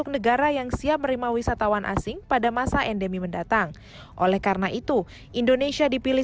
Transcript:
negara yang siap merima wisatawan asing pada masa ende men annat oleh karena itu indonesia dipilih